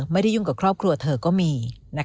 ไม่ได้ยุ่งกับครอบครัวเธอก็มี